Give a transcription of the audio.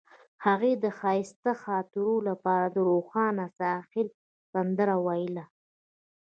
هغې د ښایسته خاطرو لپاره د روښانه ساحل سندره ویله.